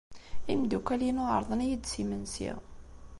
Imeddukal-inu ɛerḍen-iyi-d s imensi.